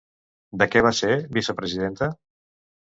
De què va ser vicepresidenta?